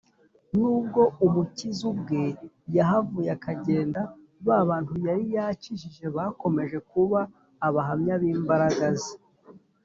nubwo umukiza ubwe yahavuye akagenda, ba bantu yari yakijije bakomeje kuba abahamya b’imbaraga ze